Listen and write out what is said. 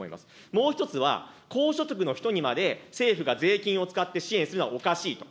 もう１つは、高所得の人にまで政府が税金を使って支援するのはおかしいと。